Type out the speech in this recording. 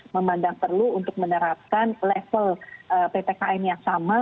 memandang perlu untuk menerapkan level ppkm yang sama